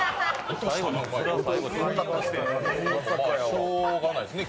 しょうがないですね。